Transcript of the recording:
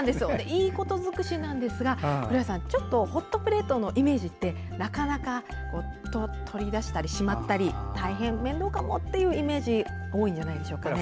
いいこと尽くしなんですが古谷さん、ホットプレートのイメージってなかなか取り出したりしまったり大変、面倒かもというイメージ大きいんじゃないですかね。